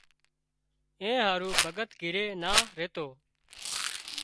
اين هارو ڀڳت گھري نا ريتو